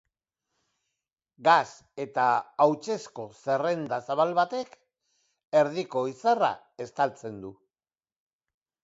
Gas eta hautsezko zerrenda zabal batek erdiko izarra estaltzen du.